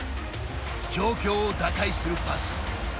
状況を打開するパス。